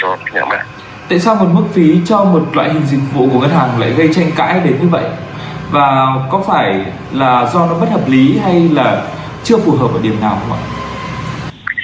tại sao một mức phí cho một loại hình dịch vụ của ngân hàng